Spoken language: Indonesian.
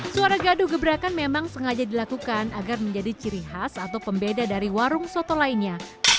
suara gaduh gebrakan memang sengaja dilakukan agar menjadi ciri khas atau pembeda dari warung soto lainnya